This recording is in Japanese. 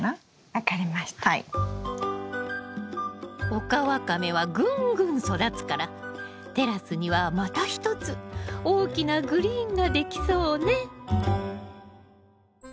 オカワカメはぐんぐん育つからテラスにはまた一つ大きなグリーンができそうね。